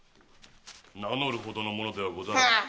名乗るほどの者ではござらん。